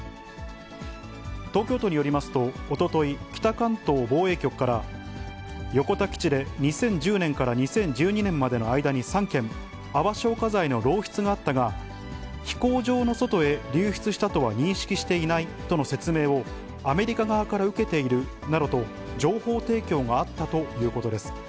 東京都によりますと、おととい、北関東防衛局から、横田基地で２０１０年から２０１２年までの間に３件、泡消火剤の漏出があったが、飛行場の外へ流出したとは認識していないとの説明をアメリカ側から受けているなどと、情報提供があったということです。